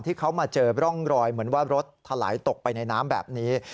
ที่เขามาเจอร่องรอยเหมือนว่ารถถลายตกไปในน้ำแบบนี้